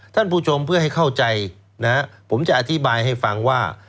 ท่านผู้ชมเพื่อให้เข้าใจนะฮะผมจะอธิบายให้ฟังว่า